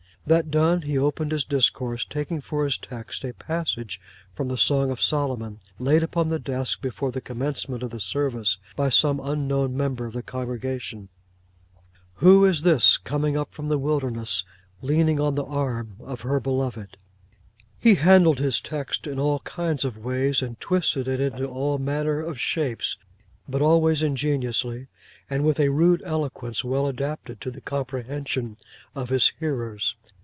That done he opened his discourse, taking for his text a passage from the Song of Solomon, laid upon the desk before the commencement of the service by some unknown member of the congregation: 'Who is this coming up from the wilderness, leaning on the arm of her beloved!' He handled his text in all kinds of ways, and twisted it into all manner of shapes; but always ingeniously, and with a rude eloquence, well adapted to the comprehension of his hearers.